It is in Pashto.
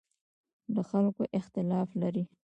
له خلکو اختلاف لري.